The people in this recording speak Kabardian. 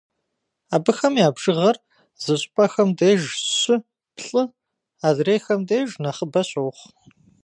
Абыхэм я бжыгъэр зы щӏыпӏэхэм деж щы-плӏы, адрейхэм деж нэхъыбэ щохъу.